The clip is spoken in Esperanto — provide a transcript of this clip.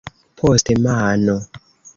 Poste mano.